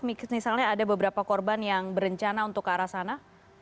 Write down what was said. misalnya ada beberapa korban yang berencana untuk ke arah sana